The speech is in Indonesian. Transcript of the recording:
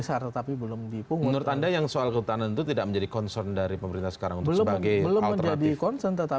atau dua harian